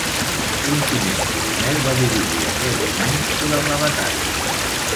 Un tinent coronel va dirigir el regiment durant la batalla.